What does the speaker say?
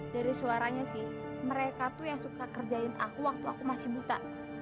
dari suaranya sih mereka tuh yang suka kerjain aku waktu aku masih buta